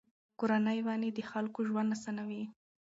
کورني ونې د خلکو ژوند آسانوي.